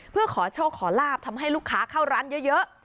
เพื่อขอโชคขอลาบทำให้ลูกค้าเข้าร้านเยอะ